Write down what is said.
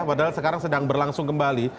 padahal sekarang sedang berlangsung kembali